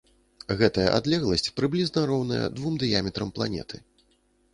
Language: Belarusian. Гэтая адлегласць прыблізна роўная двум дыяметрам планеты.